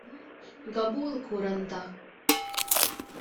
ގަބޫލުކުރަންތަ؟